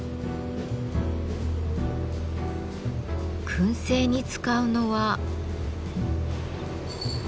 燻製に使うのは。